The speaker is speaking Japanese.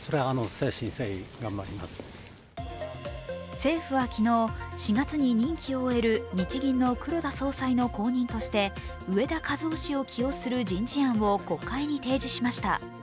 政府は昨日、４月に任期を終える日銀の黒田総裁の後任として植田和男氏を起用する人事案を国会に提示しました。